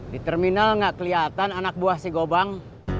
di terminal nggak kelihatan anak buah si gobang